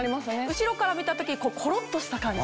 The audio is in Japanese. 後ろから見た時コロっとした感じ